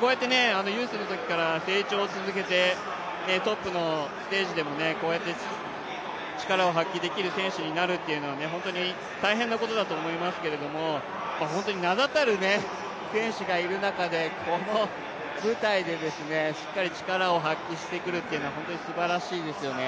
こうやってユースのときから成長を続けて、トップのステージでもこうやって力を発揮できる選手になるというのは本当に大変なことだと思いますが、本当に名だたる選手がいる中で、この舞台でしっかり力を発揮してくるというのは本当にすばらしいですよね。